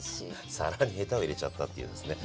皿にヘタを入れちゃったっていうんすね。